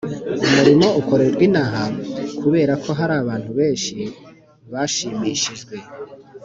Umurimo ukorerwa ino aha kubera ko hari abantu benshi bashimishijwe